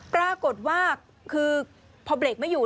ปรากฏว่าคือพอเบรกไม่อยู่